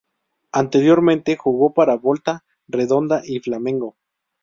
Anteriormente jugó para Volta Redonda y Flamengo.